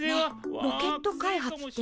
ねえロケット開発ってさ